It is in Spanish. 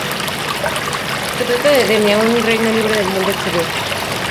Se trataba de Edenia, un reino libre del Mundo Exterior.